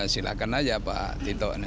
silakan aja pak tito